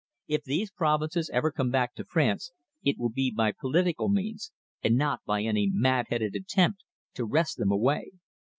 If these provinces ever come back to France, it will be by political means and not by any mad headed attempt to wrest them away."